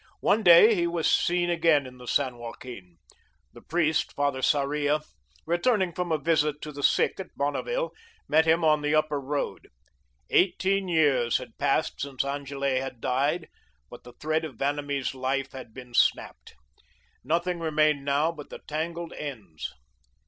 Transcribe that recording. One day he was seen again in the San Joaquin. The priest, Father Sarria, returning from a visit to the sick at Bonneville, met him on the Upper Road. Eighteen years had passed since Angele had died, but the thread of Vanamee's life had been snapped. Nothing remained now but the tangled ends.